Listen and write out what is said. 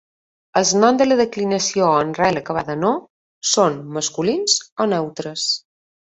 Els noms de la declinació amb rel acabada en -O, són masculins o neutres.